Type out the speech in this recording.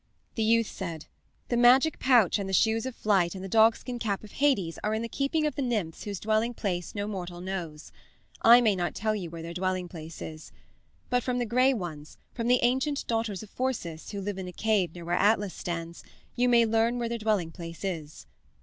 "The youth said: 'The magic pouch and the shoes of flight and the dogskin cap of Hades are in the keeping of the nymphs whose dwelling place no mortal knows. I may not tell you where their dwelling place is. But from the Gray Ones, from the ancient daughters of Phorcys who live in a cave near where Atlas stands, you may learn where their dwelling place is.'